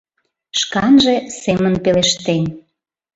Шканже семын пелештен: